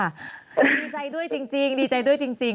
ดีใจด้วยจริงดีใจด้วยจริง